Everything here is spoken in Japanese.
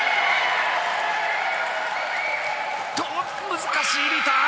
難しいリターン。